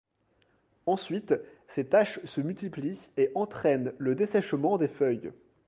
Ensuite ces taches se multiplient et entraînent le dessèchement des feuilles.